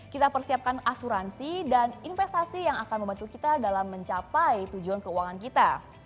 kita persiapkan asuransi dan investasi yang akan membantu kita dalam mencapai tujuan keuangan kita